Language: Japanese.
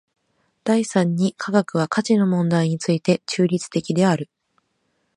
第三に科学は価値の問題について中立的である。